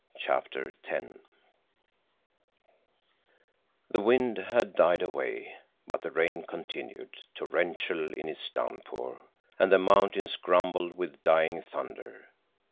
CHAPTER X The wind had died away, but the rain continued, torrential in its downpour, and the mountains grumbled with dying thunder.